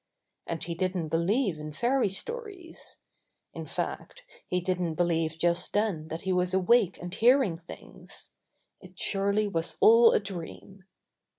And he didn't believe in fairy stories! In fact, he didn't believe just then that he was awake and hearing things. It surely was all a dream.